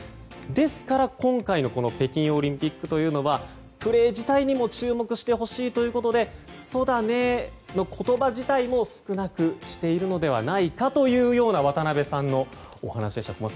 ですから今回の北京オリンピックはプレー自体にも注目してほしいということでそだねーの言葉自体を少なくしているのではないかというような渡辺さんのお話でした。